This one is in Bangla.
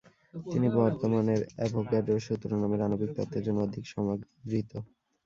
তিনি বর্তমানের অ্যাভোগাড্রোর সূত্র নামের আণবিক তত্ত্বের জন্য অধিক সমাদৃত।